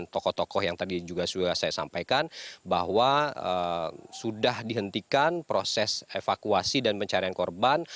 tokoh tokoh yang tadi juga sudah saya sampaikan bahwa sudah dihentikan proses evakuasi dan pencarian korban